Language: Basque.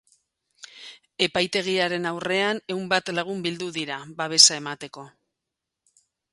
Epaitegiaren aurrean ehun bat lagun bildu dira, babesa emateko.